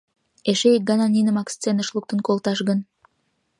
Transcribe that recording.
Эше ик гана нинымак сценыш луктын колташ гын?